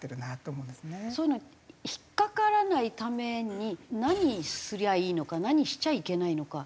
そういうのに引っかからないために何すればいいのか何しちゃいけないのか。